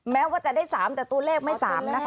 แม้ว่าจะได้๓แต่ตัวเลขไม่๓นะคะ